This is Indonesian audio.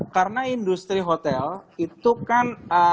karena industri hotel itu kan